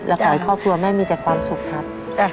และขอให้ครอบครัวแม่มีแต่ความสุขครับ